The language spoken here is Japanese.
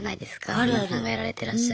皆さんがやられてらっしゃる。